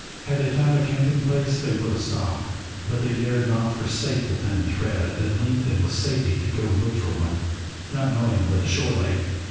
Had they found a camping place they would have stopped, but they dared not forsake the thin thread that linked them with safety to go and look for one, not knowing where the shore lay.